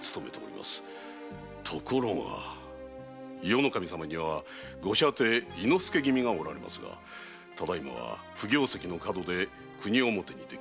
ところが伊予守様にはご舎弟・猪之助君がおられますがただ今は不行跡の廉で国表にて謹慎の身。